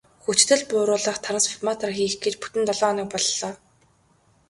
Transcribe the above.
Хүчдэл бууруулах трансформатор хийх гэж бүтэн долоо хоног боллоо.